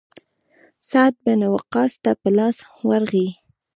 سعد بن وقاص ته په لاس ورغی.